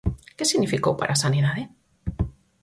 ¿Que significou para a sanidade?